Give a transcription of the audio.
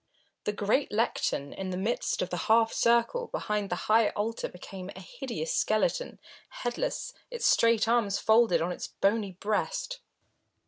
The great lectern in the midst of the half circle behind the high altar became a hideous skeleton, headless, its straight arms folded on its bony breast.